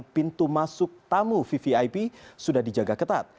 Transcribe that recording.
pintu masuk tamu vvip sudah dijaga ketat